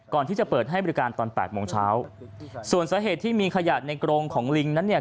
ก่อนที่จะเปิดให้บริการตอนแปดโมงเช้าส่วนสาเหตุที่มีขยะในกรงของลิงนั้นเนี่ย